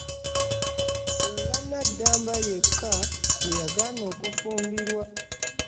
Ssenga Naddamba yekka ye yagaana okufumbirwa.